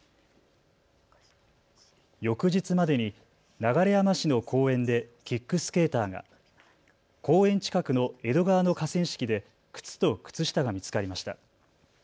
翌日までに流山市の公園でキックスケーターが、公園近くの江戸川の河川敷で靴と靴下が見つかりました。